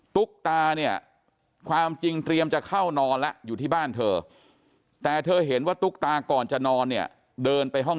ตุ๊กตาเนี่ยความจริงเตรียมจะเข้านอนแล้วอยู่ที่บ้านเธอ